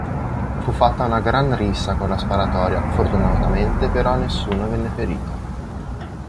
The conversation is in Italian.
Fu fatta una gran rissa con la sparatoria, fortunatamente però nessuno venne ferito.